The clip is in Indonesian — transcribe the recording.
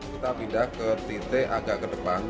kita pindah ke titik agak ke depan